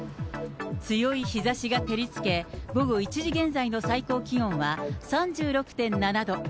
強い日ざしが照りつけ、午後１時現在の最高気温は３６．７度。